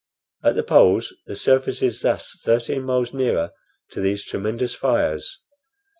At the poles the surface is thus thirteen miles nearer to these tremendous fires.